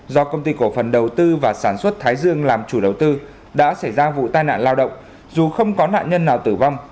do công ty cổ phần đầu tư và sản xuất thái dương làm chủ đầu tư đã xảy ra vụ tai nạn lao động dù không có nạn nhân nào tử vong